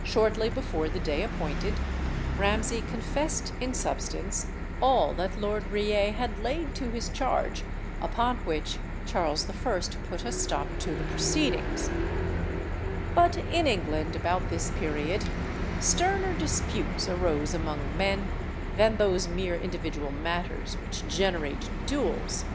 Shortly before the day appointed, Ramsay confessed in substance all that Lord Reay had laid to his charge, upon which Charles I. put a stop to the proceedings. See History of the House and Clan of Mackay. But in England, about this period, sterner disputes arose among men than those mere individual matters which generate duels.